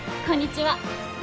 こんにちは。